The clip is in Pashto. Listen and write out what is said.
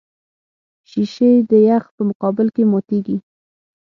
شیشې د یخ په مقابل کې ماتېږي.